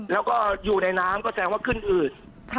แล้วก็อยู่ในน้ำก็แสดงว่าขึ้นอืด